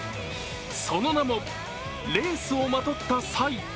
その名も「レースをまとった犀」。